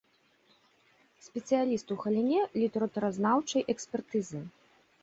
Спецыяліст у галіне літаратуразнаўчай экспертызы.